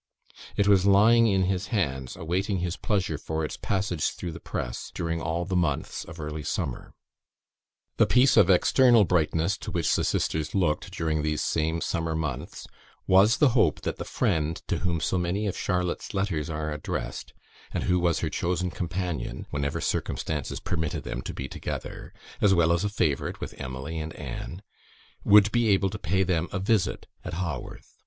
It was lying in his hands, awaiting his pleasure for its passage through the press, during all the months of early summer. The piece of external brightness to which the sisters looked during these same summer months, was the hope that the friend to whom so many of Charlotte's letters are addressed, and who was her chosen companion, whenever circumstances permitted them to be together, as well as a favourite with Emily and Anne, would be able to pay them a visit at Haworth.